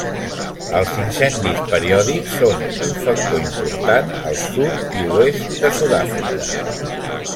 Els incendis periòdics són un factor important al sud i oest de Sud-àfrica.